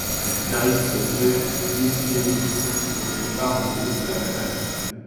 Le guitariste Jeff Juszkiewicz se sépare du groupe, la même année.